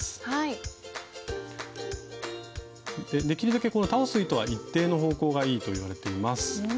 できるだけこの倒す糸は一定の方向がいいといわれています。